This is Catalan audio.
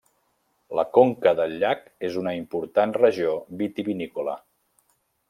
La conca del llac és una important regió vitivinícola.